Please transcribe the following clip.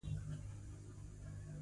دغسې ناپړېته چې به یې واورېدله.